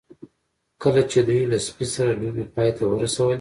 کله چې دوی له سپي سره لوبې پای ته ورسولې